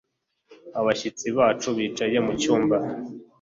Abashyitsi bacu bicaye mucyumba